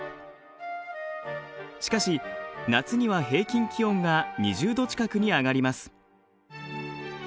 しかし夏には平均気温が２０度近くに上がります。